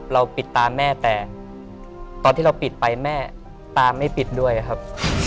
ปิดตาแม่แต่ตอนที่เราปิดไปแม่ตาไม่ปิดด้วยครับ